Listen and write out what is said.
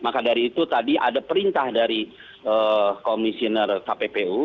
maka dari itu tadi ada perintah dari komisioner kppu